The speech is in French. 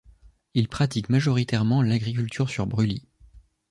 Ils pratiquent majoritairement l'agriculture sur brûlis.